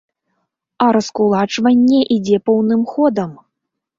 А раскулачванне ідзе поўным ходам!